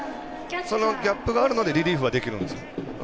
そのギャップがあるのでリリーフができるんですよ。